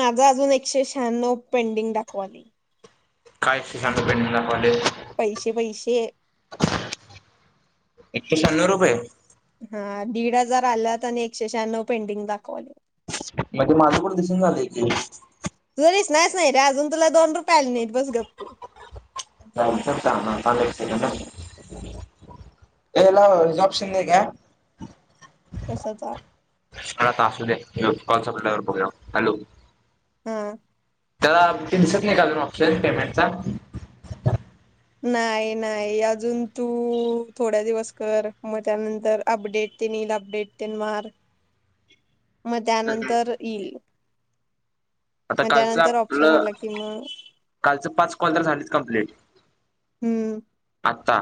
माझा अजून एकशे शहांनव पेंडिंग दाखवालय. काय एकशे शहांनव पेंडिंग दखवालय. पैशे पैशे एकशे शहाण्णव रुपये हा दीड हजार आल्यात आणि एकशे शहाण्णव पेंडिंग दाखवलेत. म्हणजे माझं कुठ दिसना झालंय की? दिसणार नाहीच नाही रे अजून तुला दोन रुपये आले नाहीत बस गप तू. [unintelligible] थांब एक सेकंद याला ऑपशन नाही काय? कशाचा [unintelligible] त असू दे कॉल संपल्यावर बघुया. हॅलो हम् दिसत नाही काय ऑप्शन पेमेंटचा नाही नाही अजून तू थोड्या दिवस कर मग त्यानंतर अपडेट ते येईल अपडेट तेन मार मग त्यानंतर येईल. आता मग कालचं त्यानंतर ऑप्शन आपलं आला कि मग कालच पाच कॉल तर झालीच कंप्लीट. हम्म आता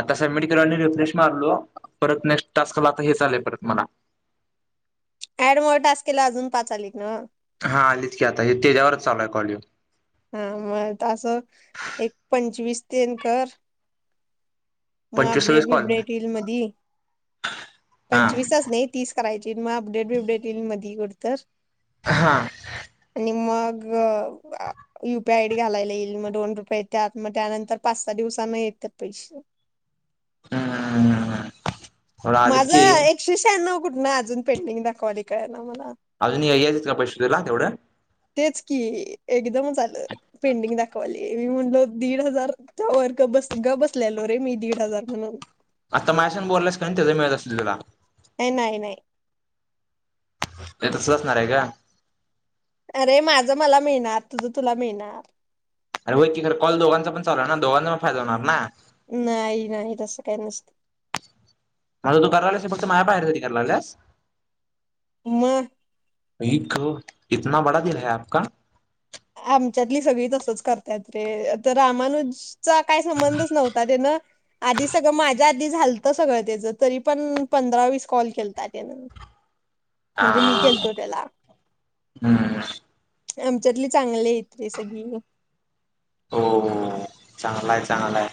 आता समेडिक रिफ्रेश मारलो परत नेक्ट टास्काला आता हे चाल परत मला ऍडम टस् केला अजून पाचालीिक ना हा आलीच की आता हे त्याच्यावरच चालू आहेय कॉले हा मग तं एक पंचवीस तेन कर मग पंचवीस अपडेट सव्वीस कॉल बीपडेट येईल मध हा पंचवीसच नाही तीस करायची मग अपडेट बिपडेट येईल मध कडत हा निमग U P I I D घालायला येईल मग दोन रुपये येतात मग त्यानंतर पाच सहा दिवसाना येतात पैसे हम् हमम हम हम माझं एकशे शहाण्णव कुठं अजून पेंटिंग दाखवाली कळय ना मला अजून यायचच का पैश देला तेवढं तेच की एकदमच आलं पेंडिंग दाखवायली मी म्हणलो दीड हजारच्या वर्ग बस ग बसलेलो रे मी दीड हजार म्हणून आता मायशन बोललायस का नाही त्याच मिळत असल तिला नाही नाही नाही नाही तसचणार आहे का अरे माझं मला मिळणार तुझं तुला मिळणार अर होती ख कल दोघांचा पण चालू ना दोघांचा प फायदा होणार ना नाही नाही तसं काही नसत माझं तू करालास फक्त माया्या बाहेर त कलालास म अ इतना बडा दिल ह आप का आमच्यातली सगळी तसच करतायत रे आ तर रामानच काही संबंधच नव्हता त्यान आधी सगळं माझ्या आधी झालत सगळं त्याच तरी पण पंधरा वस कॉल केता त्यान हा हम्म आमच्याटली चांगले इत रे सगळी हो हो चांगला आहे चांगलंय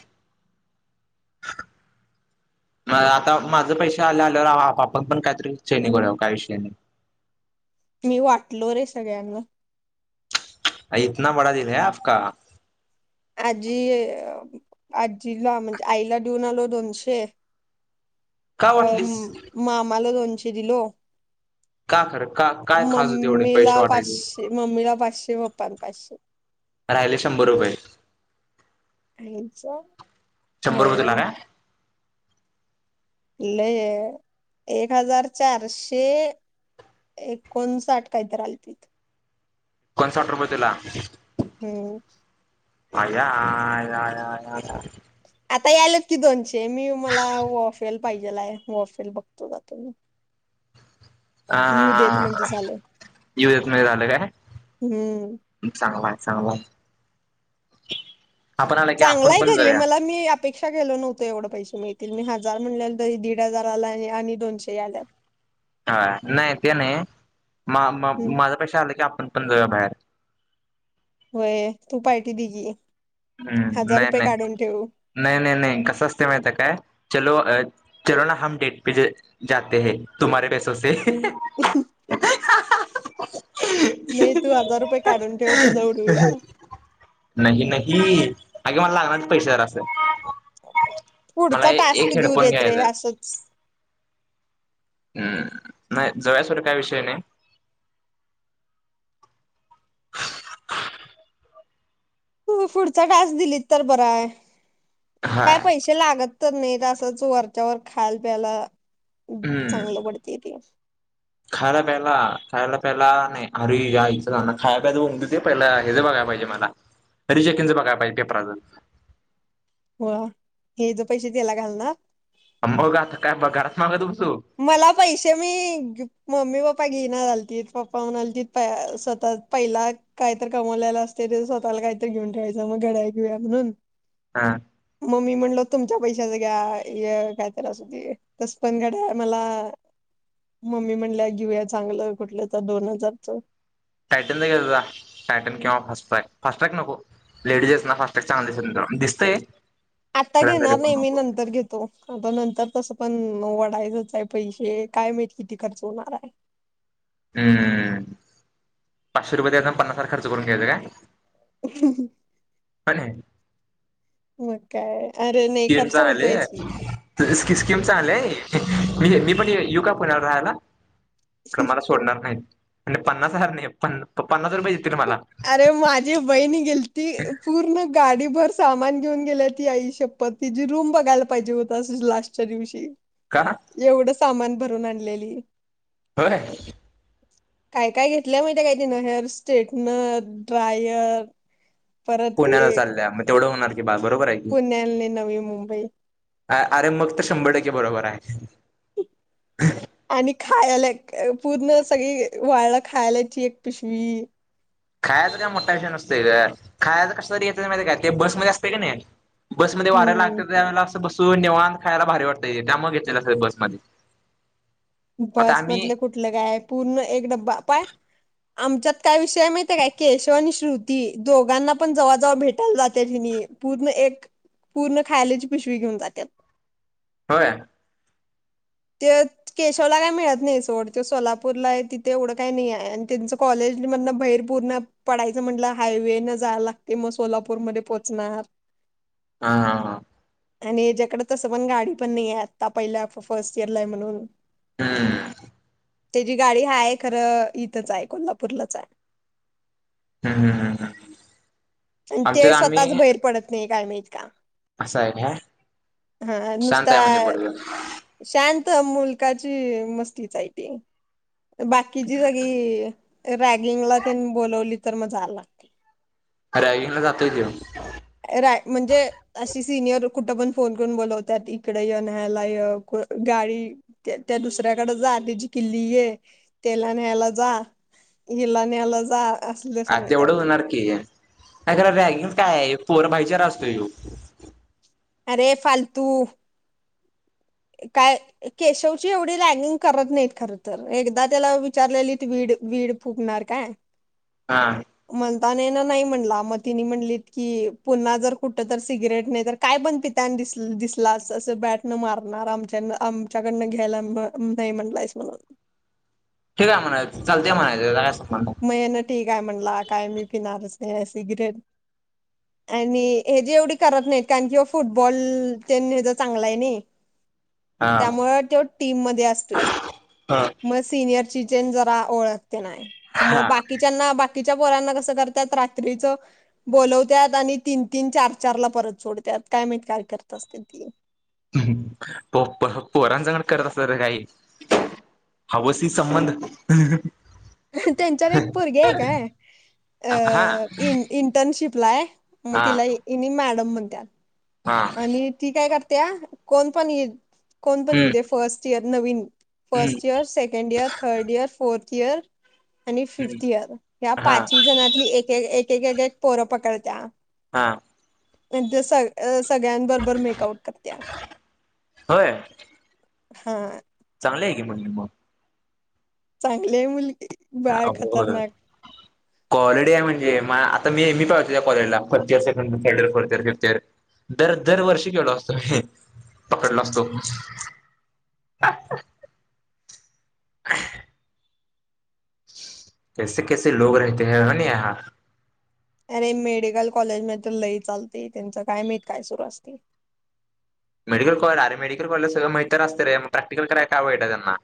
म आता माझ पैसे आल्या आल्यावर आपण पण काहीतरी ेनंगराव काही विषय नाही मी वाटलो रे सगळ्यांना अ इतना बडा दिल ह आप का आजी आजीला म्हणजे आईला देऊन आलो दोनशे का अ वाटलीस मामाला दोन शर लो का खरं का काय खास होते एवढे पैसे मम्मीला वाटायचे पाचशे मम्मीला पाचशे बाप् पण पाचशे राहिले शंभर रुपये खायचं शंभर रुपये तुला का ल य एक, हजार चारशे, एकोणसाठ काहीतरी आलते कोण साठ रुपये दिला हं, हं अय्या या या या या आता यायला कि दोनशे मी मला वाफेल पाहिजे आहे वाफेल बघतो मी जातो मी हा येऊ देत म्हणजे हा झालं युजच नाही झाले का हम्म. चांगला चांगला आपण आला की आपण चांगलाय पण घरी जाऊया मला मी अपेक्षा केलं नव्हतं एवढं पैसे मिळतील मी हजार म्हणले त दीड हजार आणि, दोनशे आलेत हा नाही ते नाही मा हम्म माझे पैसे आले की आपण आपण जाऊया बाहेर होय तू पार्टी दे की हं हजार नाही रुपये काढून ठेव नाही नाही नाही कसं असतं माहितीये का चलो ह चलो ना हम डेट पर जाते है तुम्हारे पैसो से अ, ह नाही तू हजार रुपये काढून ठेव जाऊन येऊया नाही नाही ही अगं मला लागणार पैसे जरा मला पुढचा टास्क एक देऊ हेडफोन देत नाही घ्यायचा असंच हा नाही जाऊ असं काही विषय नाही तुम्ही पुढचा टाक्स दिला तर बर आहे हा काय पैसे लागत तर नेत असत वरच्यावर खायला प्यायला हम्म चांगलं पडते की खायला प्यायला खायला प्यायला नाही खारी आणायचं खाय प्यायचं होऊ देत पहिलं चेकिंग चा बघायला पाहिजे पेपर व हे जे पैसे त्याला घालणा बघ आता काय पगारच मागतो मला पैसे मी मम्मी पप्पा घेयना झाले त पप्पा म्हणाली तित स्वतः पहिलं काहीतरी कमावलेला असतं स्वतःला काहीतरी घेऊन ठेवायचं घड्याळ घेऊया म्हणून हा मग्मी म्हणलो तुमच्या पैशाच घ्या हे काहीतरी असते तसं पण घड्याळ मला मम्मी म्हणल्या घेऊया चांगलं कुठलं तर दोन हजारच टॅटन नाही घेत जा टॅटन किंवा फास्टट्रॅक फास्टट्रॅक नको लेडीज ला फास्टट्रॅक चांगले दिसत नाही दिसते आता घेणार नाही मी नंतर घेतो आता नंतर तसं पण वढायचंच आहे पैसे काय माहित किती खर्च होणार आहे हम्मम पाचशे रुपये दयायचे पन्नास हार खर्च करून घ्यायचा काय अ ह ह.. पण ये म काय अरे नाही स्किम खर्च चा होतोयच की आलेयिस्कीम चा आल े मी पण युका पुणार राहायला क्र.. मला सोडणार नाहीत म्ह पन्नास हजार नाही प पन्नास रुपये देतील मला अरे माझी बहीण गेलती पूर्ण गाडी भर सामान घेऊन गेले ती आई शप्पथ तिची रूम बघायला पाहिजे होता लास्टच्या दिवशी का एवढंच सामान भरून आणलेली होय काय काय घेतल्याय माहीते काय तिनं हेअर्स स्ट्रेटनर ड्रायर पुण्याला चालल्या मग तेवढं होणार की बा बरोबर आहे पुण्याले नवी मुंबई अ अरे मग तर शंभर टक्के बरोबर आहे आणि खायला अ.. पूर्ण सगळी वाळ खायलायची एक पिशवी खायच काय मोठा विषय नसतय ग खायच कस तरी येत माहिती काय ते बसमध्येध असते कि नही बसमध्ये वाऱ्या हम्म लागतं त्या वेळा अस बस.... तू निवांत खायला भारी वाटतय त्या मग घेतलेला बस मध्ये बस मधले कुठलं काय आहे पूर्ण एक डब्बा पाय आमच्यात काय विषय माहीती काय केशव आणि श्रुती दोघांना पण जवाजवा भेटायला जाते कि पूर्ण एक पूर्ण खायलाची पिशवी घेऊन जाते ह ते केशवला काय मिळत नाही सोड त सोलापूरला आहे तिथे एवढं काय नाही आहे आणि त्यांच कॉलेज मधनं बाहेर पूर्ण पडायचं म्हटलं हायवे न जायला लागते मग सोलापूरमध्येध्ये पोहोचणार [inaudible] हा हा हा आणि याच्याकडे तसं पण गाडी पण नाहीे आत्ता पहिल्या. फर्स्ट इयरला ये म्हणून- हम्म त्याची गाडी आहे खरं इथंच आहे कोल्हापूरलाच आहे ह ह ह ह.. आणि ते स्वतःच बाहेर पडत नाही. गरमत का असं आहे ह हा शांत नुसता आहे म्हणजे पोरगं शांत मुलकाची मस्तीचयती बाकीची सगळी..... रॅगिंगला त्यां बोलवली तर मजायला लागते रागला साततीऊ राय म्हणजे अशी सिनियर कुठं पण फोन करून बोलावत इकडे य न्यायला य गाडी त्या दुसऱ्याकडे जा तिची किल्ली आहे त्याला न्यायला जा हिला न्यायला जा असलं हा तेवढं सांगत्यात होणार की अरा रॅगिंग काय आहे फोअर बायचेर अससतयो अरे फालतू काय केशवची एवढी लँगिंग करत नाहीत खर तर एकदा त्याला विचारलेलीत वीड वीड फुकणार काय हा मताने ना नाही म्हणला मतीनी म्हणलीत की पुन्हा जर कुठ तर सिगरेट नाही तर काय पण पता दिसलाच असं बॅट न मार णार आमच्या आमच्याकडनं घ्यायला नाही म्हटलायस म्हणून ठीक आहेय म्हणायचं चालतेय म्हणायचं नाही. मग ना ठीकय म्हणला काय मी फिणारच ह सिगरेट आणि हे जी एवढी करत नाहीत कारण कि फुटबॉल ते ह ज चांगला आहे नाही हा त्यामु तो टीम म असतोय हा. म सीनिर चीचेन जरा ओळख मग हा बाकीच्या बाकीच्या बोरंना कसं करतात रात्रीच बोलवतात आणि तीन तीन चार चार ला परत सोडतात काय माित का करत असते ती प पोरांसगण करत असत र काही हवस संबंध त्यांच्यात एक परगे एकय हा इंटर्नशिप ब्लाय मग हा तिला इ मॅडम म्हणत्यात हा आणि ती काय करते त्या कोण पण कोणपण हम्म होते फर्स्ट इयर नवीन हम्म first year second year third year fourth कर आणि हम्म फिफ्थ इयर ह्या हा पाच जणातली एक व एक पोरं पकडत हा म्ह ज स सगळ्यांबरोबर मेकआउट करत्या होय हा चांगले आहे की म्हणे मग चांगली आहे मुलगी बाय खतरनाक कॉलेडी म्हणजे मा आता मी कॉलेजला फर्स्ट इयर [unintelligible] सेकंड थड year fourth year fifth year दर दर वर्षी केलो असतो मी पकडलो असतो हा हा कैसे कैसे लोग राहते है न य [inaudible] अरे मेडिकल कॉलेज म तर लई चालते, त्यांचं काय मत काय सुरू असते. मेडिकल कॉलेज अरे मेडिकल कॉलेज सगळं मैत्र असते, रे मग प्रॅक्टिकल कराय काय वाईट त्यांना.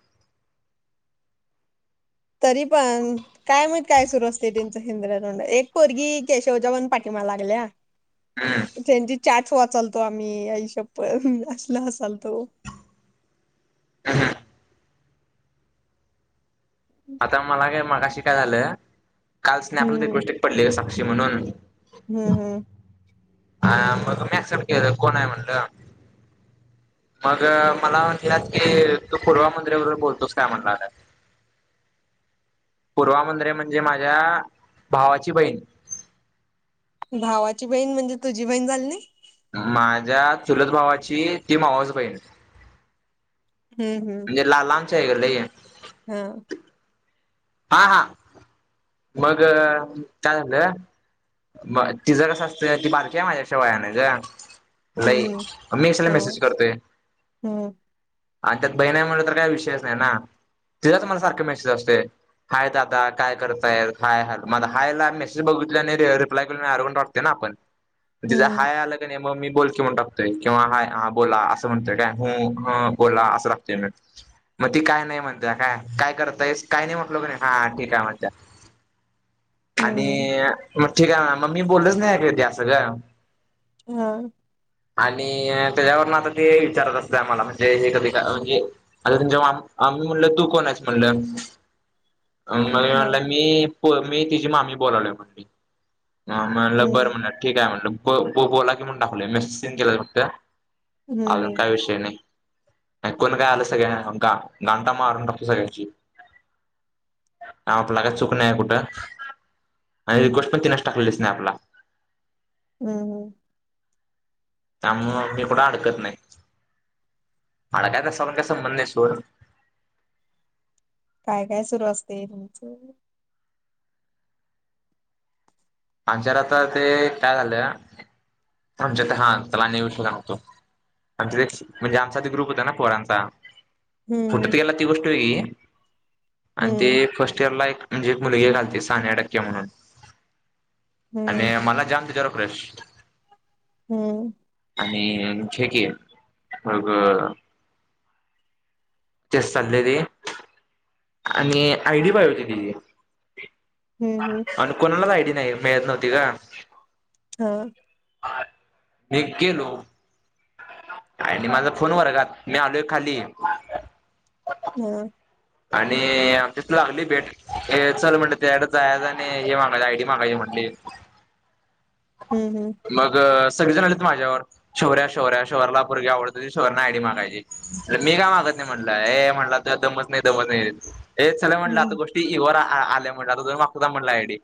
तरी पण काय माहित सुरू असते, त्यांच हेंद्रा तोंडा एक पोरगी केशवच्या पण पाठिंमा लागल्या. हम्म त्यांची चाट. वाचालतो आम्ही आईशप्पथ हू असलं हसाल्तो. ह ह. आता मला काय मगाशी काय झालं. काल स्नॅप ला ते हम्म गोष्टीत पडले सा शी म्हणूनन. हम्म हम्म. अ मग मी क्सेप्ट केलं कोण आहे. म्हणलं मग मला म्हलात की, तू पूर्वामुंदरे बरोबर बोलतोस काय म्हणलं, पूर्वामुंदरे म्हणजे माझ्या भावाची बहीण. भावाची बहीण म्हणजे तुझी बहीण झाली नाय. माझ्या चुलत भावाची ती मावास बहीण. हम्म हम्म. य गला आहे. हा. हा हा. मग का झालं म तिचं कस असत ती बारकी आहे. माझ्याशि वयान ग. नाहीई हम्म मी काला हम्म हो मेसेज करतोय. हम्म आणि त्यात बहिणामुळे तर काही विषयच नाही, ना तिचाच मला सारख मेसेज असतेय, हाय दादा काय करत होय ह हॅलो हायला मेसेज बघितली, आणि रिप्लाय के आयरोगेंड वाटते ना आपण. तिचं हम्म हाय आला मग मी बोल की, म्हणून टातोय किंवा हय हा बोला असं म्हणतय, काय हू हा बोला असं म्हणतोय, मग ती काय नाही म्हणतय, काय काय करतयस काय नाही, म्हटलो हा ठीक आहे म्हण त्या आणि हम्म [unintelligible] ठीक आहे. ना मग मी बोललच नाही ऐक त्या सग. हा. आणि त्याच्यावरून आता ते विचारत असते, आम्हाला म्हणजे हे कधी म्हणजे आता, तुमच्या आम्ही म्हणल तू कोण आहेस म्हणलं. हा अ [unintelligible] मी पो मी तिची मामी बोलाल्या म्हणली. ह म्हणलं बर हम्म म्हटलं ठीक आहे. म्हणलं. ब बो बोला की टाकवले मेसेज ते केलेले बघते. हम्म अजून हम्म काय विषय नाही. कोण काय आलं सगळ्या [unintelligible] आम घंटा मारून टाकतो सगळ्याची आपला का चुक नाही कुठं आणि गोष्ट पण तिनस टाकलेलीच स्नॅप ला. हम् हम. त्यामु मी कुठं अडकत नाही अडकायत असवर का संबंध नाही सोड. काय काय सुरू असते तुमचं आमच्या आता ते काय झालं आमच्या ते हा त्याला विषयतो आमच्या ते म्हणजे आमचा ते ग्रुप होता ना पोरांचा फुटत हम्म गेला ती गोष्ट ठ आणि ते हम्म फर्स्ट इयर ला एक म्हणजे एक मुलगी घालते सानिया टक्के म्हणून आणि हम्म मला जाम तिज्यावर क्रश. हम्म. आणि घे की मग जस चाललेली. आणि आय डी पायजे होती तिची हम्म हम्म हम्म आणि कोणालाच आय डी नाही मिळत नव्हती का? हा. आत मी गेलो. आणि माझा फोन वरगात मी आलोय खाली हा आणि आमच्याथ लागली बेट ए चल म्हणल, त्याकड जायच आणि हे मागायच आय डी मागायची म्हणली. हम्म हम्म मग अ. सगळे जण आलीत. माझ्यावर शौर्या शौर्या शोहरला पोरगी आवडती, शोहरने आय डी मागायची मी काय मागत नाही? म्हटलंय ए म्हटला तुज्यात दमच नाही दम नाहीच हे चला म्हटलं हम्म आता गोष्टी यू वरा आलिया म्हणल आता तुझ मागतो थांब म्हणल आय डी